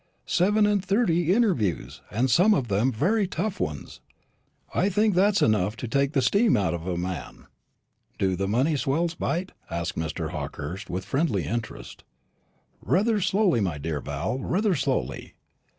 Seven and thirty interviews, and some of them very tough ones. I think that's enough to take the steam out of a man." "Do the moneyed swells bite?" asked Mr. Hawkehurst, with friendly interest. "Rather slowly, my dear Val, rather slowly.